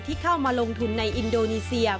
เข้ามาลงทุนในอินโดนีเซีย